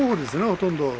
ほとんど。